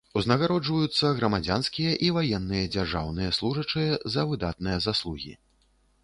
Узнагароджваюцца грамадзянскія і ваенныя дзяржаўныя служачыя за выдатныя заслугі.